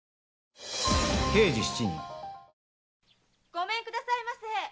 ・ごめんくださいませ！